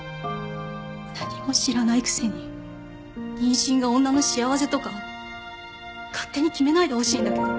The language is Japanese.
何も知らないくせに妊娠が女の幸せとか勝手に決めないでほしいんだけど。